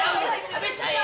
食べちゃえ。